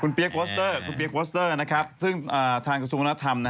คุณเปี๊ยกโฟสเตอร์ซึ่งทางกระทรวงการรัฐธรรม